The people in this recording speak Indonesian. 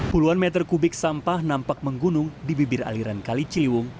puluhan meter kubik sampah nampak menggunung di bibir aliran kali ciliwung